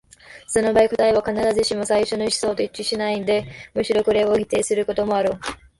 その場合、答えは必ずしも最初の思想と一致しないで、むしろこれを否定することもあろう。